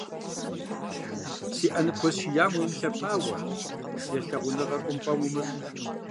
Си ӏэ ныпхуэсшиям уемылъэпауэ, си лъагуныгъэр ӏумпэм умыщӏ.